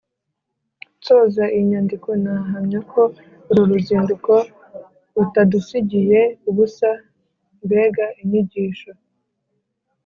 nsoza iyi nyandiko, nahamya ko uru ruzinduko rutadusigiye ubusa. mbega inyigisho